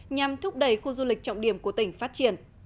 nhằm thúc đẩy khu du lịch trọng điểm của tỉnh phát triển